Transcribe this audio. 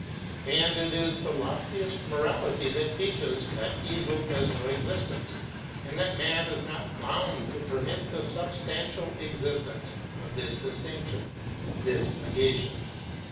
And it is the loftiest morality that teaches that evil has no existence and that man is not bound to permit [pg 148]the substantial existence of this distinction, this negation.